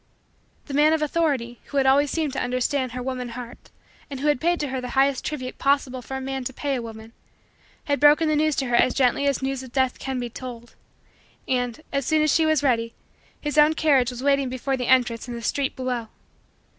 The man of authority, who had always seemed to understand her woman heart and who had paid to her the highest tribute possible for a man to pay a woman, had broken the news to her as gently as news of Death can be told, and, as soon as she was ready, his own carriage was waiting before the entrance in the street below.